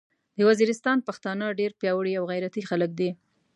د ویزیریستان پختانه ډیر پیاوړي او غیرتي خلک دې